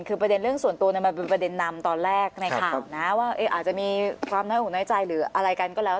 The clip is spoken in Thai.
คือประเด็นเรื่องส่วนตัวมันเป็นประเด็นนำตอนแรกในข่าวนะว่าอาจจะมีความน้อยอกน้อยใจหรืออะไรกันก็แล้ว